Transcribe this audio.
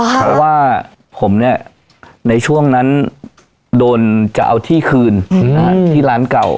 เพราะว่าผมเนี่ยในช่วงนั้นโดนจะเอาที่คืนที่ร้านเก่า